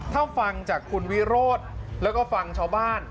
ถ้าฟังจากคุณวิโรธแล้วก็ฟังชาวบ้าน